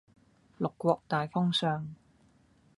六國大封相